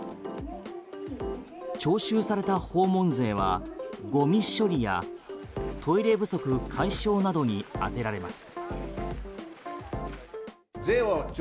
徴収された訪問税はゴミ処理やトイレ不足解消などに充てられます。